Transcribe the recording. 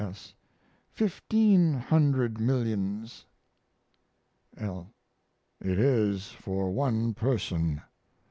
S. Fifteen hundred millions. L. It is for one person.